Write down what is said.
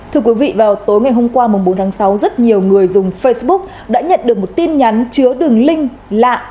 thưa quý vị vào tối ngày hôm qua bốn tháng sáu rất nhiều người dùng facebook đã nhận được một tin nhắn chứa đường link lạ